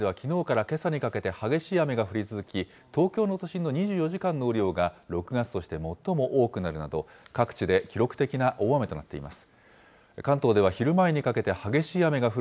お伝えしていますように、台風や前線の影響で、関東甲信ではきのうからけさにかけて激しい雨が降り続き、東京の都心で２４時間の雨量が６月として最も多くなるなど、各地で記録的な大雨となっています。